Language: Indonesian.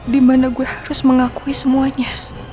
dimana gue harus mengakui semuanya